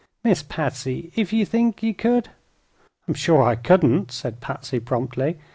Miss Patsy, ef yo' think ye could " "I'm sure I couldn't," said Patsy, promptly.